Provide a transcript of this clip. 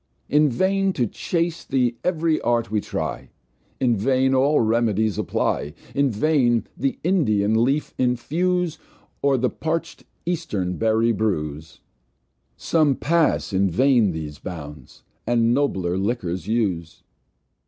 In vain to chase thee ev'ry Art we try, In vain all Remedies apply, In vain the Indian Leaf infuse, Or the parch'd Eastern Berry bruise; Some pass, in vain, those Bounds, and nobler Liquors use.